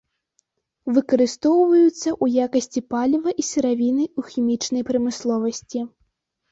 Выкарыстоўваюцца ў якасці паліва і сыравіны ў хімічнай прамысловасці.